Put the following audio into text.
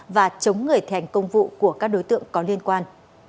và chống người thành công vụ của các đối tượng có liên quan